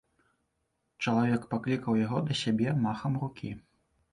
Чалавек паклікаў яго да сябе махам рукі.